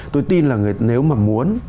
tôi tin là nếu mà muốn